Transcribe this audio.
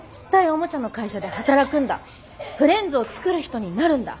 フレンズを作る人になるんだ！